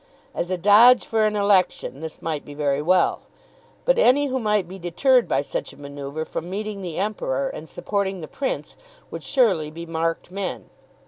As a dodge for an election this might be very well, but any who might be deterred by such a manoeuvre from meeting the Emperor and supporting the Prince would surely be marked men.